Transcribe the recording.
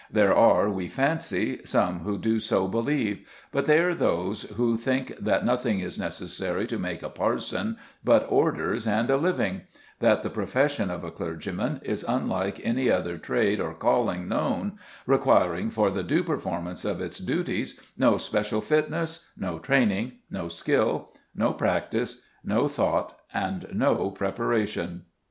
There are, we fancy, some who do so believe; but they are those who think that nothing is necessary to make a parson but orders and a living, that the profession of a clergyman is unlike any other trade or calling known, requiring for the due performance of its duties no special fitness, no training, no skill, no practice, no thought, and no preparation.